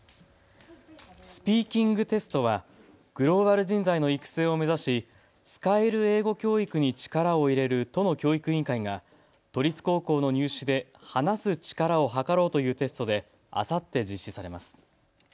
スピーキングテストはグローバル人材の育成を目指し使える英語教育に力を入れる都の教育委員会が都立高校の入試で話す力をはかろうというテストで、あさって実施されます。